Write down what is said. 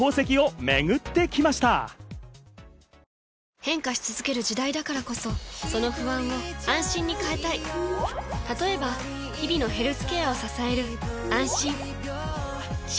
変化し続ける時代だからこそその不安を「あんしん」に変えたい例えば日々のヘルスケアを支える「あんしん」